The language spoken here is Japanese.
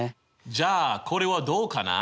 じゃあこれはどうかな？